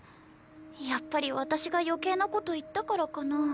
やっぱり私が余計なこと言ったからかな。